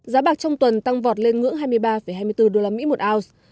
giá bạc trong tuần tăng vọt lên ngưỡng hai mươi ba hai mươi bốn usd một ounce